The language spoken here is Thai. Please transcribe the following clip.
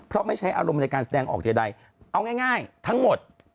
เพราะไม่ใช้อารมณ์ในการแสดงออกใดเอาง่ายทั้งหมด